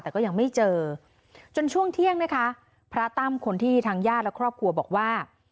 แต่ก็ยังไม่เจอจนช่วงเที่ยงนะคะพระตั้มคนที่ทางญาติและครอบครัวบอกว่า